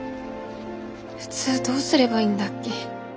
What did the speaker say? フツーどうすればいいんだっけ。